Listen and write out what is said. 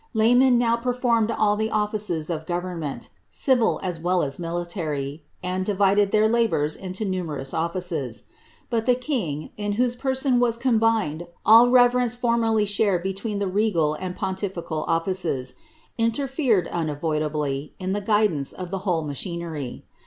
Laymen now ptr formed all the offices of govcrnmeni, civil as well as military, anci divided their labours into numerous offices. Gut the kiiif;. in whose per. ion was combined all the reverence formerly shared between lh« regal and pontifical offices, interfered, unavoidably, in the guidance of the wliole machinery.